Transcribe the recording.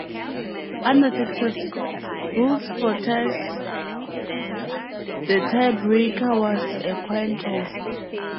Under Texas rules for ties, the tiebreaker was a coin-toss.